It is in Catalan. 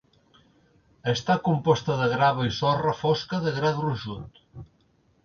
Està composta de grava i sorra fosca de gra gruixut.